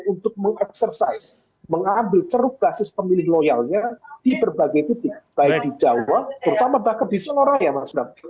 untuk mengeksersai mengambil ceruk basis pemilih loyalnya di berbagai titik baik di jawa terutama bahkan di solo raya mas bram